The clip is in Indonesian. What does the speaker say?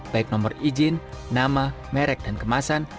baik nomor izin nama merek dan kemasan